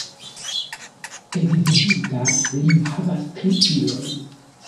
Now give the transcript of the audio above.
Edziĝinta, li havas tri filojn.